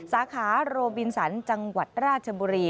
สาขาโรบินสันจังหวัดราชบุรี